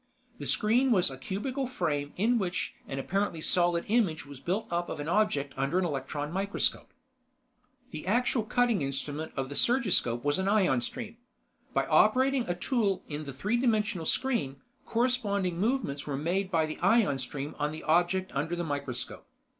The screen was a cubical frame in which an apparently solid image was built up of an object under an electron microscope. The actual cutting instrument of the surgiscope was an ion stream. By operating a tool in the three dimensional screen, corresponding movements were made by the ion stream on the object under the microscope.